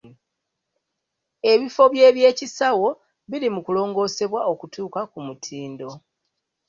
Ebifo by'ebyekisawo biri mu kulongoosebwa okutuuka ku mutindo.